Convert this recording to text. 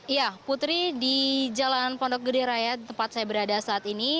ya putri di jalan pondok gede raya tempat saya berada saat ini